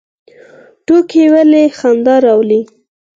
ټوکې ولې خندا راوړي؟